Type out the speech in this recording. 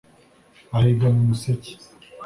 ahiga mu museke